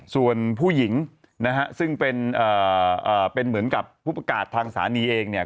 ส่วนผู้หญิงนะฮะซึ่งเป็นเหมือนกับผู้ประกาศทางสถานีเองเนี่ย